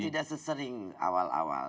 tidak sesering awal awal